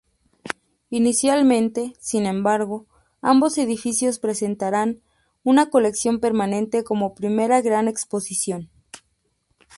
Inicialmente, sin embargo, ambos edificios presentarán una colección permanente como primera gran exposición.